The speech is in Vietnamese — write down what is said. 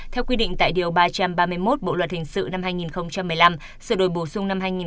theo quy định tại điều ba trăm ba mươi một bộ luật hình sự năm hai nghìn một mươi năm sửa đổi bổ sung năm hai nghìn một mươi bảy